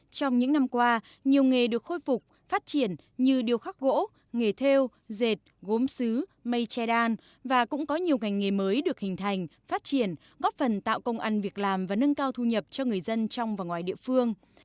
trong những năm qua nhiều nghề được khôi phục phát triển như điêu khắc gỗ nghề theo dệt gốm xứ mây che đan và cũng có nhiều ngành nghề mới được hình thành phát triển góp phần tạo công ăn việc làm và nâng cao thu nhập cho người dân trong và ngoài địa phương